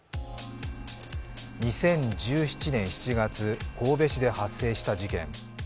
２０１７年７月、神戸市で発生した事件。